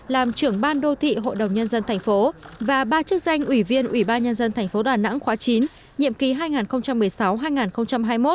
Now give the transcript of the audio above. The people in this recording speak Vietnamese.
làm trưởng ban đô thị hội đồng nhân dân thành phố